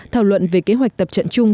thảo luận về kế hoạch tập trận chung